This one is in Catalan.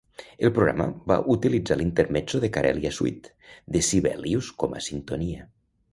El programa va utilitzar l'intermezzo de "Karelia Suite" de Sibelius com a sintonia.